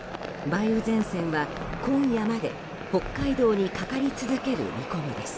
梅雨前線は今夜まで北海道にかかり続ける見込みです。